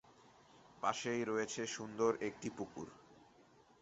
পাশেই রয়েছে সুন্দর একটি পুকুর।